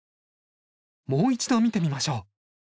もう一度見てみましょう。